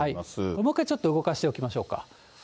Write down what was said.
もう一回ちょっと動かしておきましょうか。